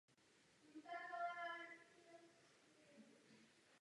V šedesátých letech nevznikl ve slovenské kinematografii tématem podobný film.